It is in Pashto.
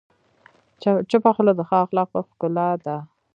چپه خوله، د ښه اخلاقو ښکلا ده.